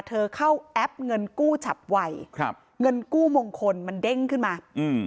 เธอเข้าแอปเงินกู้ฉับไวครับเงินกู้มงคลมันเด้งขึ้นมาอืม